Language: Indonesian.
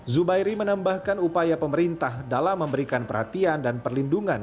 zubairi menambahkan upaya pemerintah dalam memberikan perhatian dan perlindungan